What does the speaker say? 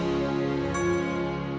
lihat aja di awas ini